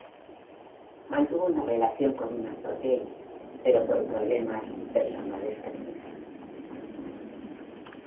Mantuvo una relación con un actor gay pero por problemas personales terminaron.